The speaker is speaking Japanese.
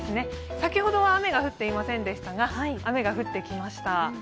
先ほどは雨が降っていませんでしたが、雨が降ってきました。